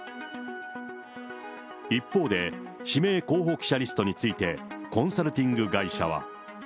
一方で、指名候補記者リストについて、コンサルティング会社は。